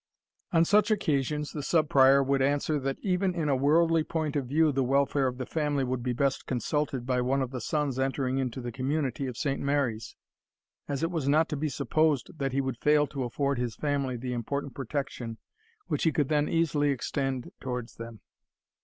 On such occasions the Sub Prior would answer, that even in a worldly point of view the welfare of the family would be best consulted by one of the sons entering into the community of Saint Mary's, as it was not to be supposed that he would fail to afford his family the important protection which he could then easily extend towards them.